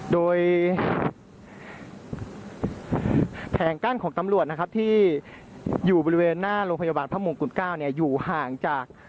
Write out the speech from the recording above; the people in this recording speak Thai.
โดยแผงกั้นของตำรวจนะครับที่อยู่บริเวณหน้าโรงพยาบาลพระมงกุฎ๙อยู่ห่างจาก